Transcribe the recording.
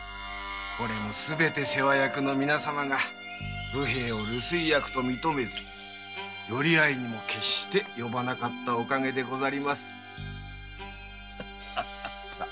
これもすべて世話役の皆様が武兵衛を留守居役と認めず寄合にも決して呼ばなかったおかげでござります。